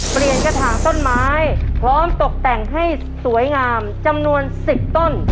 กระถางต้นไม้พร้อมตกแต่งให้สวยงามจำนวน๑๐ต้น